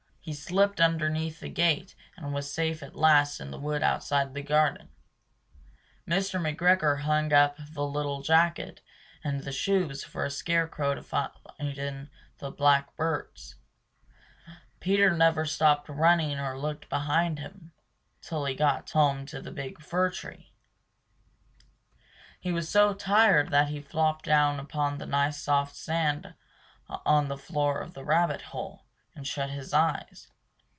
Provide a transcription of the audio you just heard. He slipped underneath the gate and was safe at last in the wood outside the garden. Mr. McGregor hung up the little jacket and the shoes for a scare crow to frighten the blackbirds. Peter never stopped running or looked behind him Till he got home to the big fir tree. He was so tired that he flopped down upon the nice soft sand on the floor of the rabbit hole, and shut his eyes.